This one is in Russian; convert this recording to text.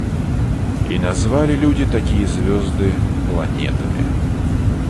И назвали люди такие звезды планетами.